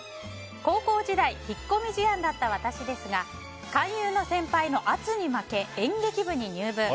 高校時代引っ込み思案だった私ですが勧誘の先輩の圧に負け演劇部に入部。